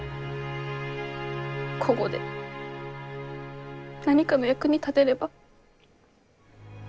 こごで何かの役に立てれば。